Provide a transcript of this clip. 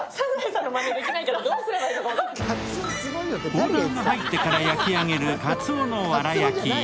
オーダーが入ってから焼き上げる鰹の藁焼き。